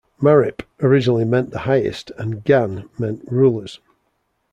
"Marip" originally meant the highest, and "gan" meant rulers.